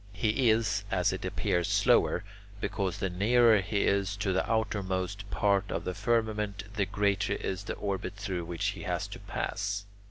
He is, as it appears, slower, because the nearer he is to the outermost part of the firmament, the greater is the orbit through which he has to pass.